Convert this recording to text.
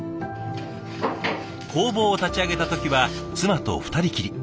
工房を立ち上げた時は妻と２人きり。